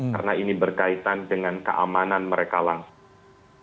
karena ini berkaitan dengan keamanan mereka langsung